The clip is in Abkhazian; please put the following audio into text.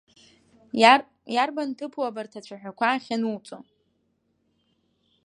Иарбан ҭыԥу абарҭ ацәаҳәақәа ахьануҵо?